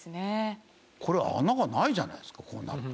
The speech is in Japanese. これ穴がないじゃないですかこうなると。